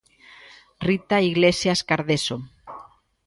Rita Iglesias Cardeso.